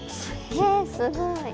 えすごい。